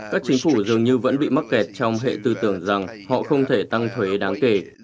các chính phủ dường như vẫn bị mắc kẹt trong hệ tư tưởng rằng họ không thể tăng thuế đáng kể